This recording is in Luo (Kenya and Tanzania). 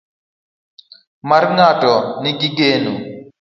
Mar ng'ato ni gi nengo.